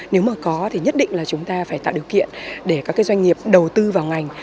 nếu mà có thì nhất định là chúng ta phải tạo điều kiện để các doanh nghiệp đầu tư vào ngành